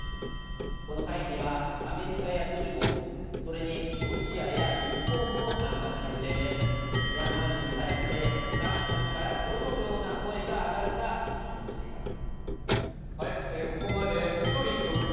この会議には、アメリカや中国それにロシアや日本も参加する予定でミャンマー軍に対して各国からどのような声が上がるか注目しています。